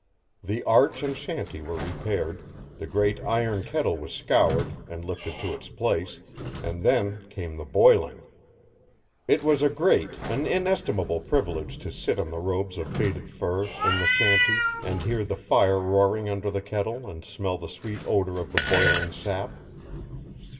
The arch and shanty were repaired, the great iron kettle was scoured and lifted to its place, and then came the boiling. It was a great, an inestimable privilege to sit on the robes of faded fur, in the shanty, and hear the fire roaring under the kettle and smell the sweet odour of the boiling sap.